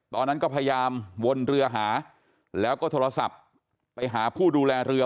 ตอนนั้นก็พยายามวนเรือหาแล้วก็โทรศัพท์ไปหาผู้ดูแลเรือ